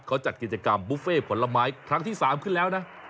เขาจัดกิจกรรมบุฟเฟ่ผลไม้ครั้งที่๓ขึ้นแล้วนะ